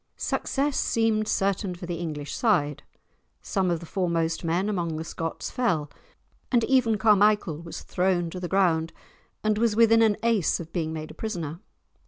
Success seemed certain for the English side; some of the foremost men among the Scots fell, and even Carmichael was thrown to the ground and was within an ace of being made a prisoner.